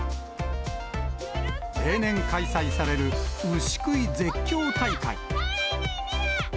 例年開催される牛喰い絶叫大会。